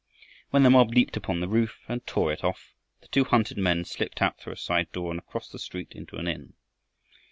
When the mob leaped upon the roof and tore it off, the two hunted men slipped out through a side door, and across the street into an inn.